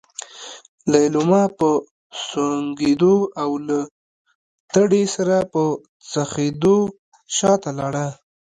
ليلما په سونګېدو او له تړې سره په څخېدو شاته لاړه.